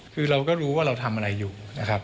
คือเราก็รู้ว่าเราทำอะไรอยู่นะครับ